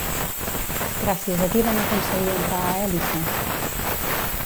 Gràcies a qui van aconseguir entrar a Hèlice?